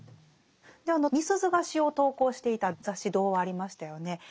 であのみすゞが詩を投稿していた雑誌「童話」ありましたよね。